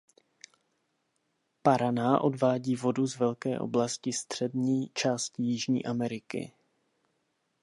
Paraná odvádí vodu z velké oblasti střední části Jižní Ameriky.